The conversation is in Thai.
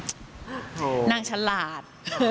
เฮ้นางชะลาด